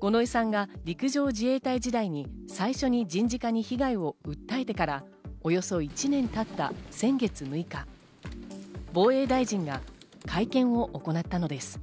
五ノ井さんが陸上自衛隊時代に最初に人事課に被害を訴えてからおよそ１年経った先月６日、防衛大臣が会見を行ったのです。